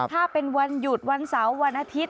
ถ้าเป็นวันหยุดวันเสาร์วันอาทิตย์